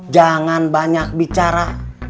jangan banyak bicara